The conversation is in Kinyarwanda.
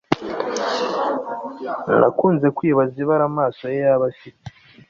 nakunze kwibaza ibara amaso ye yaba afite